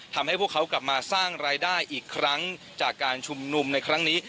ทำให้พวกเขากลับมาสร้างรายได้อีกครั้งจากการชุมนุมในครั้งนี้